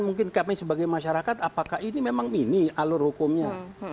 mungkin kami sebagai masyarakat apakah ini memang mini alur hukumnya